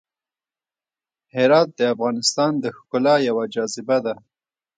هرات د افغانستان د ښکلا یوه جاذبه ده.